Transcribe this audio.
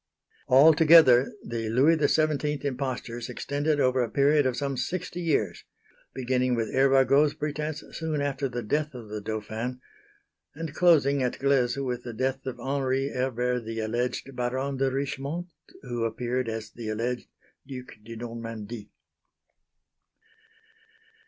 Altogether the Louis XVII impostures extended over a period of some sixty years, beginning with Hervagault's pretence soon after the death of the Dauphin, and closing at Gleyze with the death of Henri Herbert, the alleged Baron de Richmont who appeared as the alleged Duc de Normandie.